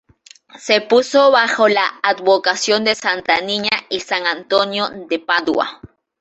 Se puso bajo la advocación de la Santa Niña y San Antonio de Padua.